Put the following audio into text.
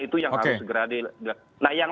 itu yang harus segera dilakukan nah yang